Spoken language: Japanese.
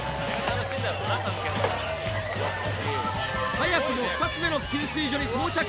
早くも２つ目の給水所に到着。